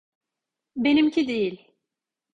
Benimki değil.